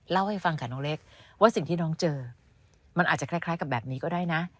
เล่าให้ฟังค่ะน้องเล็กว่าสิ่งที่น้องเจอมันอาจจะคล้ายกับแบบนี้ก็ได้นะ